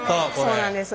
そうなんです。